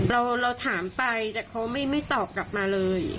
เราถามไปแต่เขาไม่ตอบกลับมาเลย